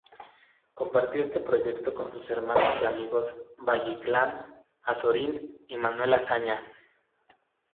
Compartió este proyecto con sus hermanos y amigos Valle Inclán, Azorín y Manuel Azaña.